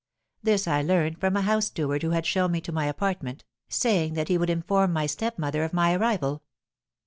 This I learned from a house steward who had shown me to my apartment, saying that he would inform my stepmother of my arrival.